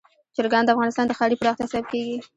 چرګان د افغانستان د ښاري پراختیا سبب کېږي.